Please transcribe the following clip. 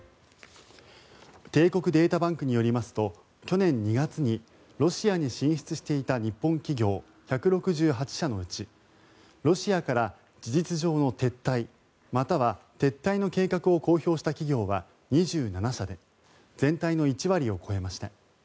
帝国データバンクによりますと去年２月にロシアに進出していた日本企業１６８社のうちロシアから事実上の撤退または撤退の計画を公表した企業は２７社で全体の１割を超えました。